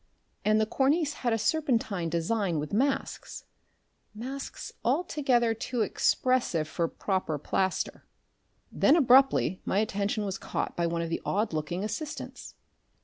And the cornice had a serpentine design with masks masks altogether too expressive for proper plaster. Then abruptly my attention was caught by one of the odd looking assistants.